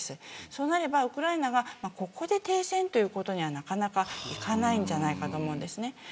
そうなればウクライナがここで停戦ということにはなかなかいかないんじゃないかと思います。